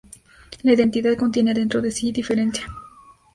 La identidad contiene dentro de sí diferencia.